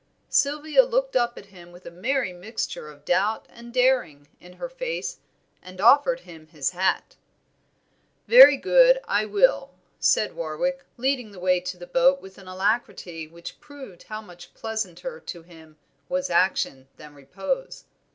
Sylvia looked up at him with a merry mixture of doubt and daring in her face, and offered him his hat. "Very good, I will," said Warwick, leading the way to the boat with an alacrity which proved how much pleasanter to him was action than repose.